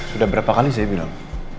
sudah berapa kali saya bilang